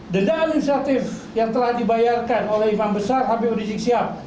denda administratif yang telah dibayarkan oleh imam besar habib rizik sihab